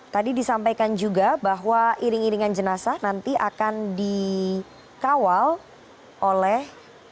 tadi disampaikan juga bahwa iring iringan jenazah nanti akan dikawal oleh